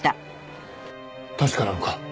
確かなのか？